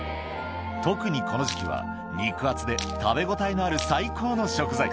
特にこの時季は肉厚で食べ応えのある最高の食材